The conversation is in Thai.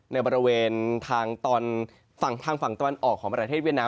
ในบริเวณทางตอนฝั่งตอนออกของประเทศเวียดน้ำ